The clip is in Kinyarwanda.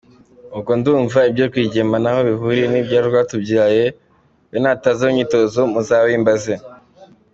Ubwo ndumva ibya Rwigema ntaho bihuriye n’ibya Rwatubyaye, we nataza mu myitozo muzabimbaze.